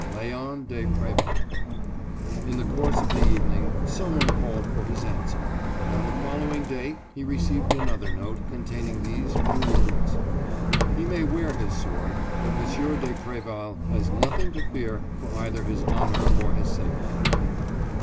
"LÉON DE PRÉVAL." In the course of the evening some one called for his answer, and on the following day he received another note, containing these few words: "He may wear his sword, but M. de Préval has nothing to fear for either his honor or his safety."